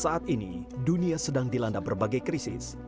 saat ini dunia sedang dilanda berbagai krisis